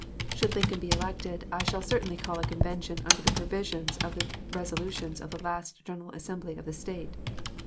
Should Lincoln be elected, I shall certainly call a convention under the provisions of the resolutions of the last General Assembly of the State.